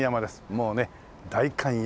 もうね「代官山」。